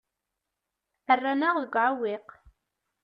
Rran-aɣ deg uɛewwiq.